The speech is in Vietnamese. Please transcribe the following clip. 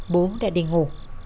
bố đã đi ngủ